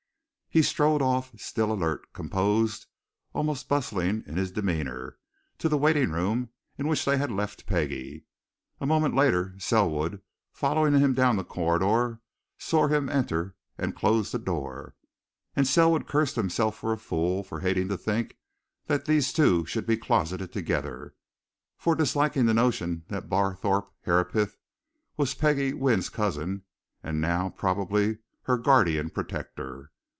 He strode off, still alert, composed, almost bustling in his demeanour, to the waiting room in which they had left Peggie a moment later, Selwood, following him down the corridor, saw him enter and close the door. And Selwood cursed himself for a fool for hating to think that these two should be closeted together, for disliking the notion that Barthorpe Herapath was Peggie Wynne's cousin and now, probably, her guardian protector.